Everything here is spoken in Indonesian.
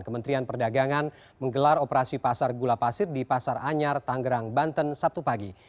kementerian perdagangan menggelar operasi pasar gula pasir di pasar anyar tanggerang banten sabtu pagi